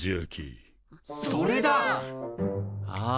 ああ